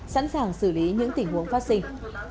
sẵn sàng xử lý những tình huống phát sinh